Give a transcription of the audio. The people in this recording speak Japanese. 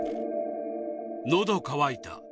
のど渇いた。